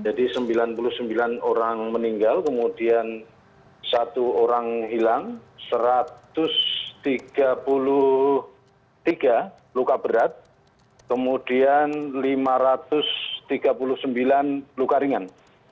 jadi sembilan puluh sembilan orang meninggal kemudian satu orang hilang satu ratus tiga puluh tiga luka berat kemudian lima ratus tiga puluh sembilan luka ringan